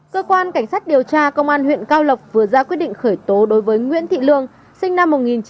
cơ quan cảnh sát điều tra công an huyện cao lộc vừa ra quyết định khởi tố đối với nguyễn thị lương sinh năm một nghìn chín trăm tám mươi